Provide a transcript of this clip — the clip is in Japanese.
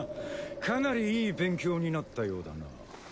かなりいい勉強になったようだな。